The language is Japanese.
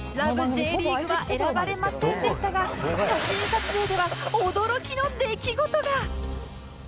Ｊ リーグ』は選ばれませんでしたが写真撮影では驚きの出来事が！